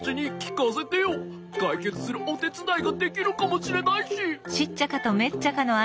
かいけつするおてつだいができるかもしれないし。